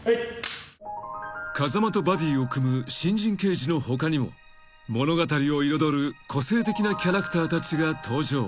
［風間とバディを組む新人刑事の他にも物語を彩る個性的なキャラクターたちが登場］